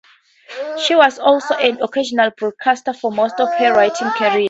She was also an occasional broadcaster for most of her writing career.